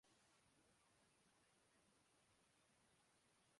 بس ایک میان میں دو تلواریں نہیں ہوسکتیں